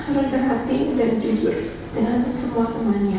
mereka hati dan jujur dengan semua temannya